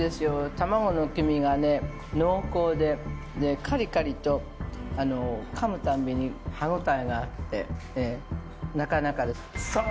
卵の黄身がね濃厚ででカリカリとかむたびに歯応えがあってなかなかですさあ